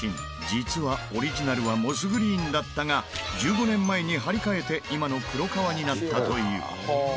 実はオリジナルはモスグリーンだったが１５年前に張り替えて今の黒革になったという。